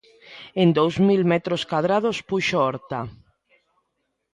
En dous mil metros cadrados puxo horta.